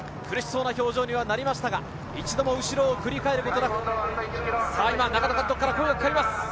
苦しそうな表情になりましたが一度も後ろを振り返ることなく長門監督から声がかかります。